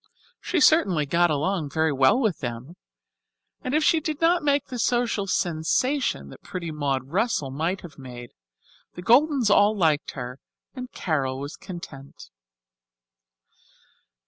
She certainly got along very well with them; and if she did not make the social sensation that pretty Maud Russell might have made, the Goldens all liked her and Carol was content.